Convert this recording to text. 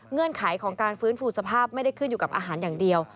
ไขของการฟื้นฟูสภาพไม่ได้ขึ้นอยู่กับอาหารอย่างเดียว